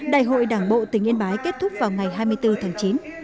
đại hội đảng bộ tỉnh yên bái kết thúc vào ngày hai mươi bốn tháng chín